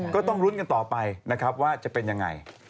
ก็ต้องรุ้นกันต่อไปว่าจะเป็นยังไง